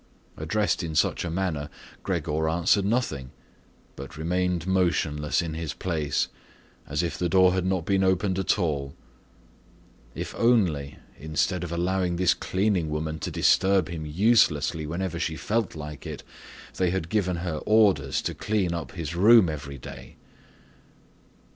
Addressed in such a manner, Gregor answered nothing, but remained motionless in his place, as if the door had not been opened at all. If only, instead of allowing this cleaning woman to disturb him uselessly whenever she felt like it, they had given her orders to clean up his room every day!